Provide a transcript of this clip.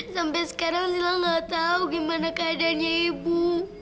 sampai sekarang lila gak tahu gimana keadaannya ibu